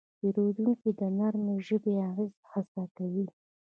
پیرودونکی د نرمې ژبې اغېز حس کوي.